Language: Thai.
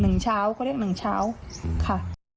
เขาเรียก๑เช้าค่ะ